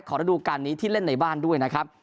ระดูการนี้ที่เล่นในบ้านด้วยนะครับ